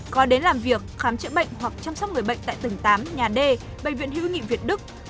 có đến làm việc khám chữa bệnh hoặc chăm sóc người bệnh tại tầng tám nhà d bệnh viện hữu nghị việt đức